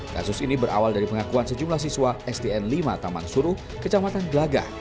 kasus ini berawal dari pengakuan sejumlah siswa sdn lima taman suruh kecamatan gelagah